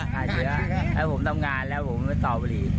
หาเชื้อแล้วผมทำงานแล้วผมก็สอบุหรี่